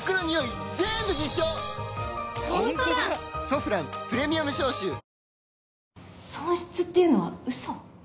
「ソフランプレミアム消臭」損失っていうのは嘘？